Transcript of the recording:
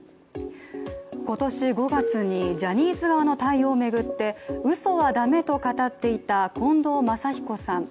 今年５月に、ジャニーズ側の対応を巡ってうそはだめと語っていた近藤真彦さん。